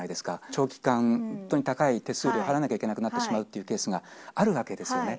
長期間本当に高い手数料を払わなきゃいけなくなってしまうというケースあるわけですよね。